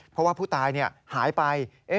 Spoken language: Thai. เพราะว่าผู้ตายหายไป